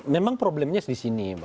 memang problemnya di sini